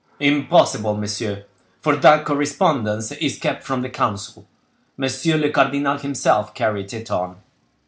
"Impossible, monsieur, for that correspondence is kept from the council; monsieur le cardinal himself carried it on."